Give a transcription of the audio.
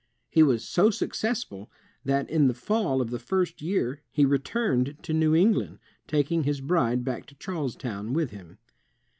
He was so successful that in the fall of the first year, he returned to New England, tak ing his bride back to Charlestown with him.